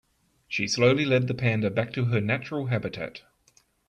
She slowly led the panda back to her natural habitat.